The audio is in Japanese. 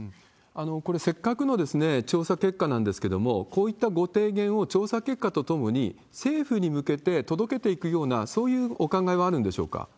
これ、せっかくの調査結果なんですけれども、こういったご提言を調査結果とともに政府に向けて届けていくような、そういうお考えはあるんでしょうか？